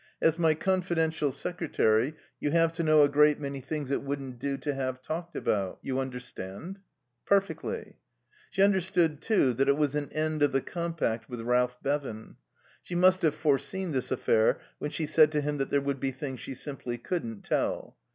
As my confidential secretary, you have to know a great many things it wouldn't do to have talked about. You understand?" "Perfectly." She understood, too, that it was an end of the compact with Ralph Bevan. She must have foreseen this affair when she said to him there would be things she simply couldn't tell.